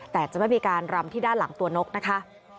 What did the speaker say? แต่จะไม่มีการรำที่ด้านหลังตัวนกนะคะ